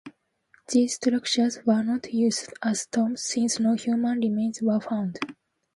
These structures were not used as tombs since no human remains were found.